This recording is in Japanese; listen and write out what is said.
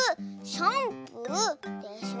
「シャンプー」でしょ。